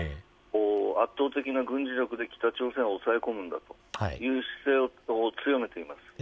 圧倒的な軍事力で北朝鮮を抑え込むんだという姿勢を強めています。